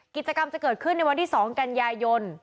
กิจกรรมจะเกิดขึ้นในวันที่๒กันยายน